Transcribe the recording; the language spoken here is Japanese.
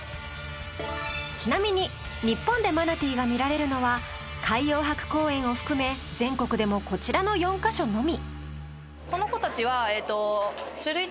ちなみに日本でマナティーが見られるのは海洋博公園を含め全国でもこちらの４カ所のみ。